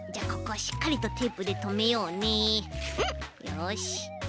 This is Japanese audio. よし。